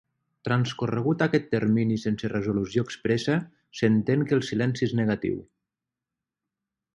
Transcorregut aquest termini sense resolució expressa, s'entén que el silenci és negatiu.